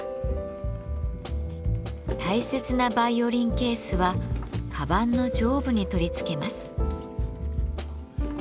大切なバイオリンケースは鞄の上部に取り付けます。